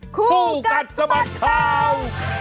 คู่กัดสมัครข่าว